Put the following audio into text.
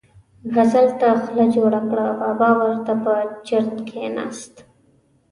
غزل ته خوله جوړه کړه، بابا ور ته په چرت کېناست.